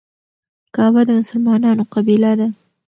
کعبه د مسلمانانو قبله ده.